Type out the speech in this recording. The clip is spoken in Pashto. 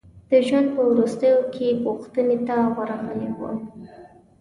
د ژوند په وروستیو کې پوښتنې ته ورغلي وو.